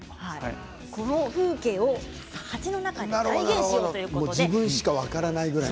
この写真の風景を鉢の中に再現しようということです。